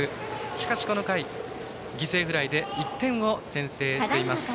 しかし、この回犠牲フライで１点を先制しています。